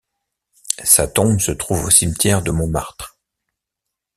Sa tombe se trouve au cimetière de Montmartre.